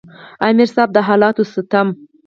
امیر صېب د حالاتو ستم،